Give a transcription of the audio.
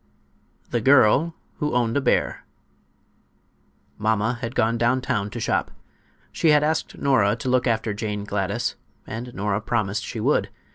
THE GIRL WHO OWNED A BEAR Mamma had gone down town to shop. She had asked Nora to look after Jane Gladys, and Nora promised she would.